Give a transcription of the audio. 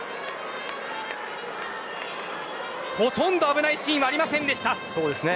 ほとんど危ないシーンはありませんでした。